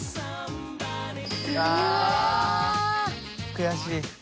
悔しい！